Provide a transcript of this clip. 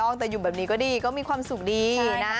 เงียบนะเค้าดีกว่าใคร